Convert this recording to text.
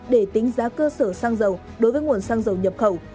để tính giá cơ sở xăng dầu đối với nguồn xăng dầu nhập khẩu